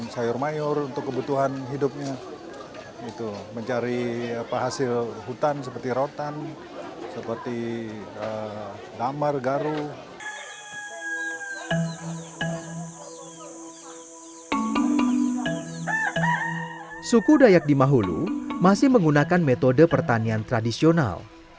suku dayak di mahulu masih menggunakan metode pertanian tradisional